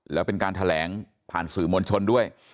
แล้วเป็นการแถลงผ่านสื่อมวลชนด้วย